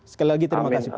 sekali lagi terima kasih pak